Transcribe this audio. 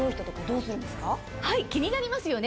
気になりますよね。